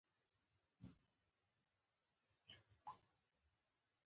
ستا مينه زما د بدو عادتونو خالق شوه